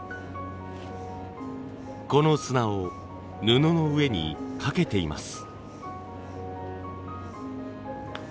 この砂を布の上にかけています。